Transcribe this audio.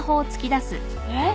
えっ？